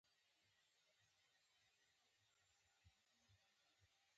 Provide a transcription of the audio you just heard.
څاڅکي څاڅکي باران وریږي